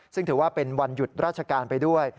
ซึ่งถือว่าเป็นวันหยุดราชการไปด้วย